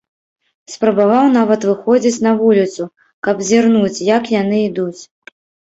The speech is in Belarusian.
Спрабаваў нават выходзіць на вуліцу, каб зірнуць, як яны ідуць.